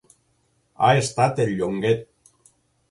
Ha estat el Llonguet!